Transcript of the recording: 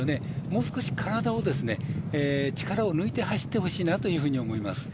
もう少し体を力を抜いて走ってほしいなというふうに思います。